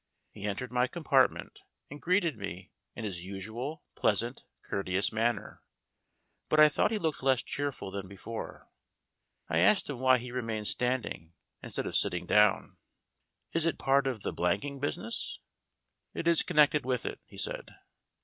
He entered my compartment and greeted me in his usual pleasant, courteous manner. But I thought he looked less cheerful than before. I asked him why he remained standing, instead of sitting down! "Is it part of the blanking business?" "It is connected with it," he said.